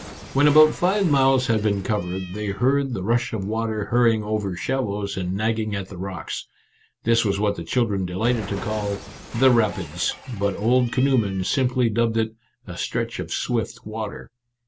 When about five miles had been covered, they heard the rush of water hurrying over shallows and nagging at the rocks. This was what the chil dren delighted to call " The Rapids," but old canoemen simply dubbed it " a stretch of swift water."